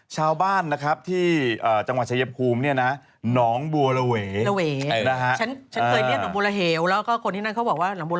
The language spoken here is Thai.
ชาวบ้านที่จังหวัดเฉยียบคูมน้องบัวระเว